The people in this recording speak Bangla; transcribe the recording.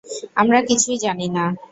আমরা কিছুই জানি না।